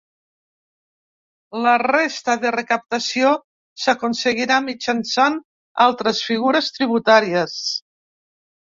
La resta de recaptació s’aconseguirà mitjançant altres figures tributàries.